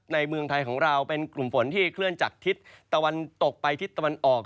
เมืองไทยของเราเป็นกลุ่มฝนที่เคลื่อนจากทิศตะวันตกไปทิศตะวันออก